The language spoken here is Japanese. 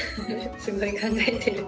すごい考えてる。